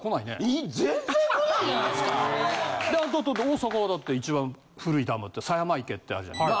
大阪はだって一番古いダムって狭山池ってあるじゃない。